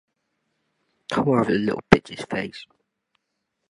One village, Tudor Vladimirescu, is administered by the city.